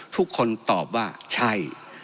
ทุกคนตอบว่าใช่